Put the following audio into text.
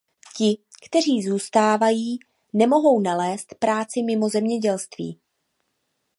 Ti, kteří zůstávají, nemohou nalézt práci mimo zemědělství.